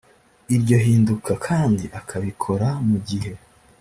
iryo hindura kandi akabikora mu gihe